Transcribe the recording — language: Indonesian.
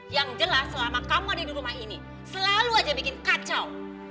yang jelas selama kamu ada di rumah ini selalu aja bikin kacau